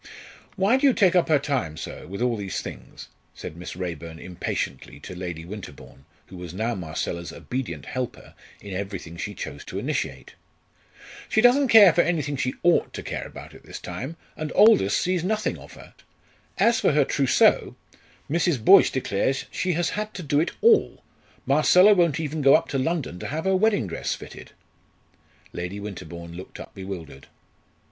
"Why do you take up her time so, with all these things?" said Miss Raeburn impatiently to Lady Winterbourne, who was now Marcella's obedient helper in everything she chose to initiate. "She doesn't care for anything she ought to care about at this time, and Aldous sees nothing of her. As for her trousseau, Mrs. Boyce declares she has had to do it all. Marcella won't even go up to London to have her wedding dress fitted!" Lady Winterbourne looked up bewildered.